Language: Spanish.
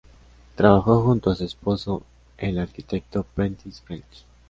Trabajó junto a su esposo, el arquitecto Prentiss French.